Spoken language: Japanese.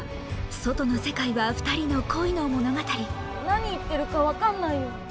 外の世界は２人の恋の物語何言ってるか分かんないよ。